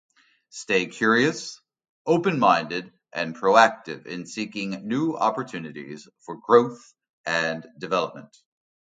Stay curious, open-minded, and proactive in seeking new opportunities for growth and development.